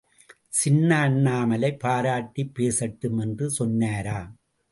சின்ன அண்ணாமலை பாராட்டிப் பேசட்டும் என்று சொன்னாராம்.